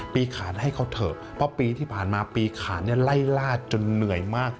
ปีขาดให้เขาเถอะเพราะปีที่ผ่านมาปีขาดเนี่ยไล่ลาดจนเหนื่อยมาก